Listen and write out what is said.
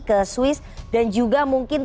ke swiss dan juga mungkin